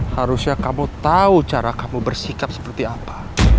harusnya kamu tahu cara kamu bersikap seperti apa